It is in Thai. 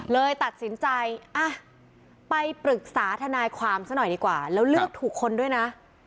เลยตัดสินใจอ่ะไปปรึกษาทนายความซะหน่อยดีกว่าแล้วเลือกถูกคนด้วยนะ